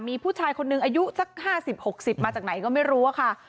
มีผู้ชายคนหนึ่งอายุสัก๕๐๖๐มาจากไหนก็ไม่รู้อะค่ะ